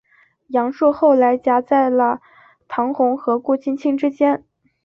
杨树后来夹在了唐红和顾菁菁之间。